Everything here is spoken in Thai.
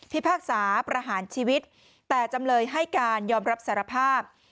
พากษาประหารชีวิตแต่จำเลยให้การยอมรับสารภาพ